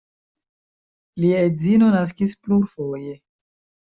Lia edzino naskis plurfoje.